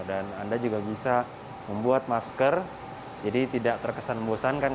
dan anda juga bisa membuat masker jadi tidak terkesan bosan kan